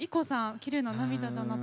きれいな涙だなって。